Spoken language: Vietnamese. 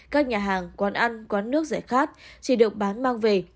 các nhà hàng quán ăn quán nước giải khát chỉ được bán mang về